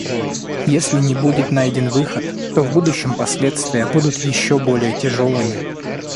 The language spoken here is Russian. Если не будет найден выход, то в будущем последствия будут еще более тяжелыми.